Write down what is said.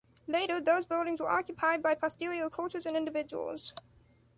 Later, those buildings were occupied by posterior cultures and individuals.